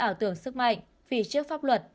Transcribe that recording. ảo tưởng sức mạnh vì trước pháp luật